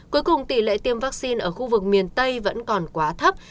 cuối cùng tỷ lệ tiêm vaccine ở khu vực miền tây vẫn còn quá thấp